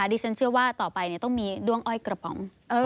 ดิฉันเชื่อว่าต่อไปต้องมีด้วงอ้อยกระป๋อง